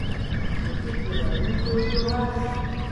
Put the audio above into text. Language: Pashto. موزیک د راتلونکو هیلو غږ دی.